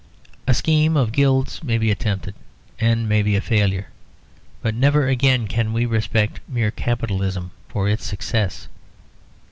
A scheme of guilds may be attempted and may be a failure; but never again can we respect mere Capitalism for its success.